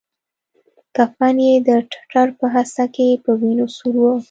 کفن يې د ټټر په حصه کښې په وينو سور و.